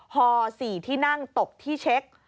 ฮ๔ที่นั่งตบที่เช็ค